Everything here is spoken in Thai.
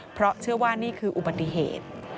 เพราะเชื่อว่านี่คืออุบัติเหตุ